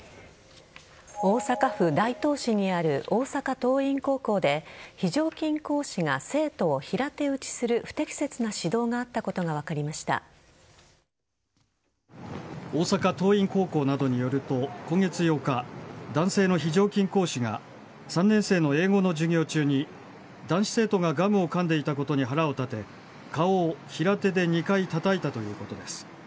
大阪府大東市にある大阪桐蔭高校で非常勤講師が生徒を平手打ちする不適切な指導があったことが大阪桐蔭高校などによると今月８日、男性の非常勤講師が３年生の英語の授業中に男子生徒がガムをかんでいたことに腹を立て顔を平手で２回たたいたということです。